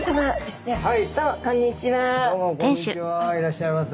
いらっしゃいませ。